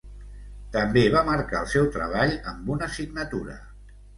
També va marcar el seu treball amb una signatura.